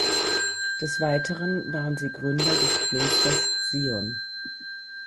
Des Weiteren waren sie Gründer des Klosters Sion.